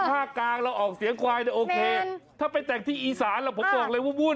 ถ้าเราออกเสียงควายโอเคถ้าไปแต่งที่อีสานผมจะออกเลยวุ่น